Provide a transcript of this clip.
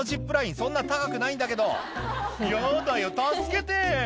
そんな高くないんだけど「嫌だよ助けて！」